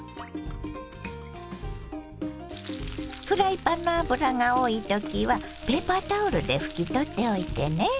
フライパンの脂が多い時はペーパータオルで拭き取っておいてね。